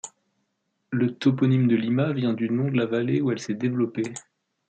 Le toponyme de Lima vient du nom de la vallée où elle s'est développée.